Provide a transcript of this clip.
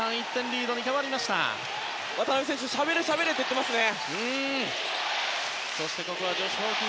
渡邊選手がしゃべれ、しゃべれと言っていますね。